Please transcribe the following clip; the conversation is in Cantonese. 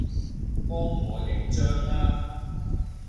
幫我影張吖